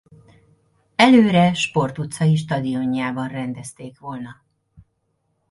Előre Sport utcai stadionjában rendezték volna.